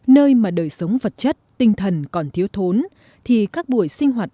nơi mà đời sống vật chất tinh thần còn thiếu thốn